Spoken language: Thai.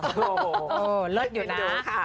โอ้โหเลิศอยู่นะ